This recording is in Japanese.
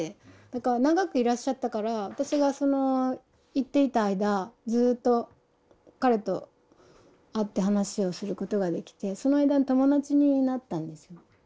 だから長くいらっしゃったから私がその行っていた間ずっと彼と会って話をすることができてその間友達になったんですよ。